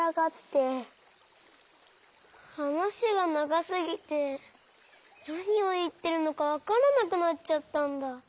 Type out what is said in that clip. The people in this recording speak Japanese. はなしがながすぎてなにをいってるのかわからなくなっちゃったんだ。